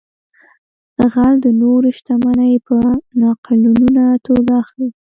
غل د نورو شتمنۍ په ناقانونه توګه اخلي